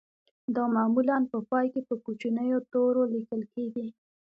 دا معمولاً په پای کې په کوچنیو تورو لیکل کیږي